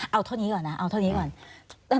เอาเท่านี้ก่อนนะเอาเท่านี้ก่อน